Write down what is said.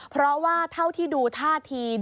เพราะว่าเท่าที่ดูท่าที